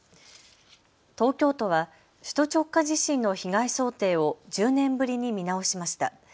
東京都は首都直下地震の被害想定を１０年ぶりに見直しました。